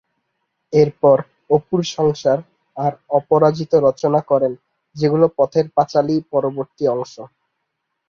এরপর "অপুর সংসার" আর "অপরাজিত" রচনা করেন, যেগুলো "পথের পাঁচালির"ই পরবর্তী অংশ।